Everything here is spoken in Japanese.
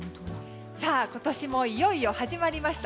今年もいよいよ始まりました